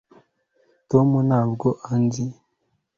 tom ntabwo anzi